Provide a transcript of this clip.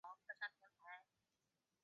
我们劝她出去晒晒太阳